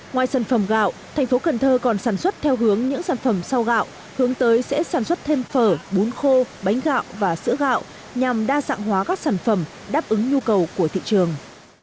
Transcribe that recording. ngoài sản phẩm gạo thành phố cần thơ còn sản xuất theo hướng những sản phẩm sau gạo hướng tới sẽ sản xuất thêm phở bún khô bánh gạo và sữa gạo nhằm đa dạng hóa các sản phẩm đáp ứng nhu cầu của thị trường